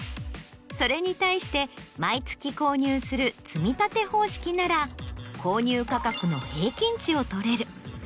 それに対して毎月購入する積み立て方式なら購入価格の平均値を取れる。